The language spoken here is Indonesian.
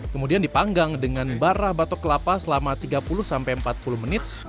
kemudian dipanggang dengan barah batok kelapa selama tiga puluh sampai empat puluh menit